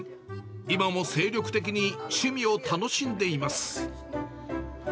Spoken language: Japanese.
今も精力的に趣味を楽しんでいます。